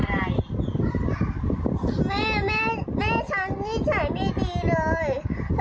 แม่แม่ฉันนิสัยไม่ดีเลย